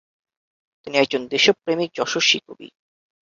তিনি একজন দেশপ্রেমিক যশস্বী কবি।